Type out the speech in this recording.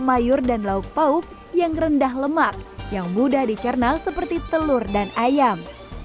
sayur dan lauk pauk yang rendah lemak yang mudah dicerna seperti telur dan ayam